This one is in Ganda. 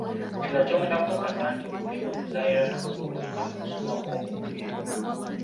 Kino kyongera kukakasa nti olulimi oluzaaliranwa lukulu nnyo mu kusoma kw’omuntu yenna.